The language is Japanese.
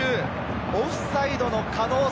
オフサイドの可能性。